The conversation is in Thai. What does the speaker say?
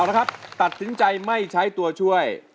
เอาละครับตัดสินใจไม่ใช้ตัวช่วย